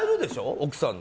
奥さんに。